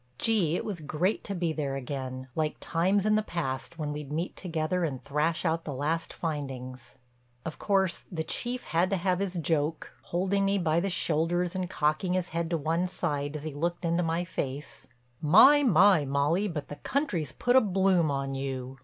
Gee, it was great to be there again, like times in the past when we'd meet together and thrash out the last findings. Of course the Chief had to have his joke, holding me by the shoulders and cocking his head to one side as he looked into my face: "My, my, Molly, but the country's put a bloom on you!